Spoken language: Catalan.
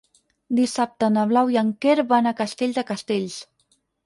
Dissabte na Blau i en Quer van a Castell de Castells.